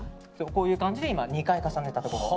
こういう感じで２回重ねました。